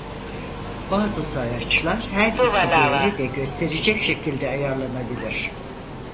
Bazı sayaçlar her iki değeri de gösterecek şekilde ayarlanabilir.